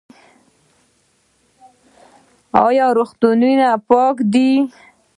آیا روغتونونه پاک دي؟